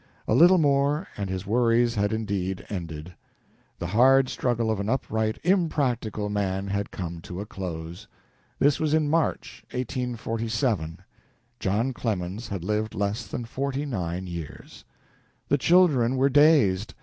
A little more, and his worries had indeed ended. The hard struggle of an upright, impractical man had come to a close. This was in March, 1847. John Clemens had lived less than forty nine years. The children were dazed.